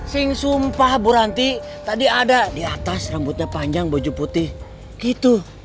sing sumpah bu ranti tadi ada di atas rambutnya panjang baju putih gitu